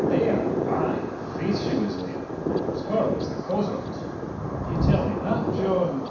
"There, ay; faith, she was there. It was her was the cause o't." "D'ye tell me that, John?